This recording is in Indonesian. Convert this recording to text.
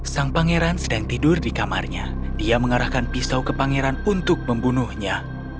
sang pangeran sedang tidur di kamarnya dia mengarahkan pisau ke pangeran untuk membunuhnya